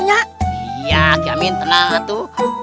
iya kiamin tenaga atu